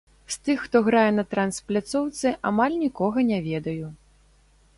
З тых, хто грае на транс-пляцоўцы, амаль нікога не ведаю.